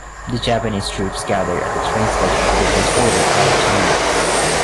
The Japanese troops gather at a train station to be transported out of China.